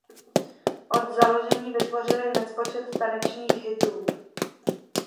Od založení vytvořili nespočet tanečních hitů.